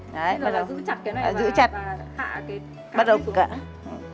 bây giờ là giữ chặt cái này và hạ cái cá xuống